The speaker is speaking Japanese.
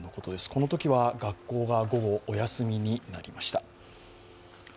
このときは学校が午後、お休みになりました。